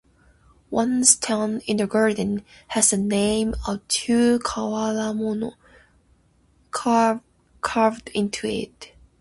One stone in the garden has the name of two "kawaramono" carved into it.